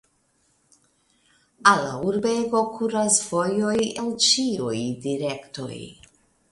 Al la urbego kuras vojoj el ĉiuj direktoj.